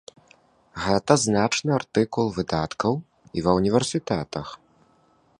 Гэта значны артыкул выдаткаў і ва ўніверсітэтах.